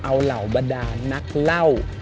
เอาเหล่าบรรดานักเล่า